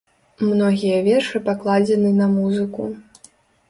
Многія вершы пакладзены на музыку.